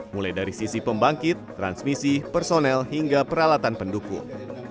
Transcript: mulai dari sisi pembangkit transmisi personel hingga peralatan pendukung